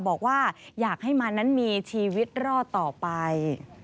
บอกว่าอยากให้มันนั้นมีชีวิตรอดต่อไป